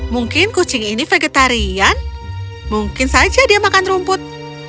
mungkin kucing ini vegetarian mungkin saja dia makan rumput